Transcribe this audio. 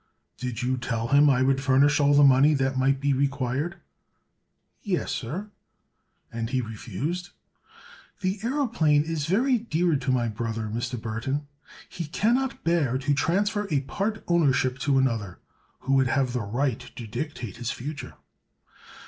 "Did you tell him I would furnish all the money that might be required?" "Yes, sir." "And he refused?" "This aëroplane is very dear to my brother, Mr. Burthon. He cannot bear to transfer a part ownership to another, who would have the right to dictate its future."